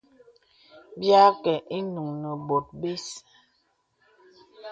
Bìa àkə īnuŋ nə bòn bə̀s.